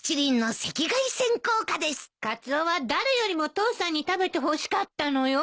カツオは誰よりも父さんに食べてほしかったのよ。